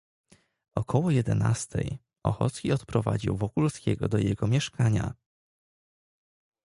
"Około jedenastej Ochocki odprowadził Wokulskiego do jego mieszkania."